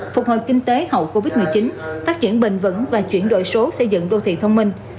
phục hồi kinh tế hậu covid một mươi chín phát triển bền vững và chuyển đổi số xây dựng đô thị thông minh